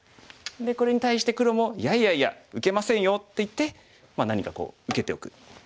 これに対して黒も「いやいやいや受けませんよ」って言って何かこう受けておく。